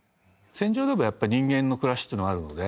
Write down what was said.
戦場でもやっぱり人間の暮らしっていうのがあるので。